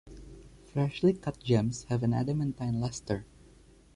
Freshly cut gems have an adamantine luster.